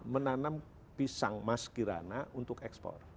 menanam pisang mas kirana untuk ekspor